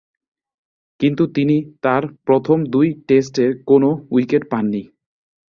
কিন্তু তিনি তার প্রথম দুই টেস্টে কোন উইকেট পাননি।